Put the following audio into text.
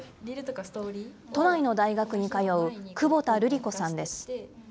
都内の大学に通う、久保田瑠璃子さんです。